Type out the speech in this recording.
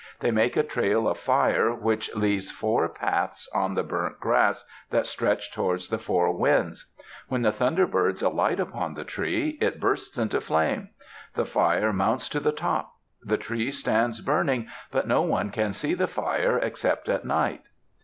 They make a trail of fire which leaves four paths on the burnt grass that stretch towards the Four Winds. When the Thunder Birds alight upon the tree, it bursts into flame. The fire mounts to the top. The tree stands burning, but no one can see the fire except at night."